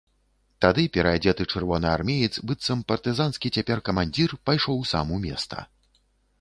Тады пераадзеты чырвонаармеец, быццам партызанскі цяпер камандзір, пайшоў сам у места.